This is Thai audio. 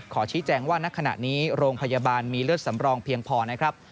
ขอชี้แจงว่าณขณะนี้โรงพยาบาลมีเลือดสำรองเพียงพอนะครับ